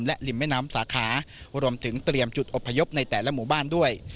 และริมแม่น้ำสาขารวมถึงเตรียมจุดอบพยพในแต่ละหมู่บ้านด้วย